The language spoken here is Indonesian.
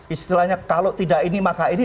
istilahnya kalau tidak ini maka ini